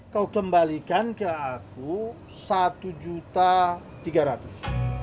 kau kembalikan ke aku satu juta tiga ratus